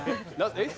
えっ？